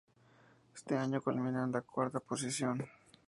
Este año culminan en la cuarta posición.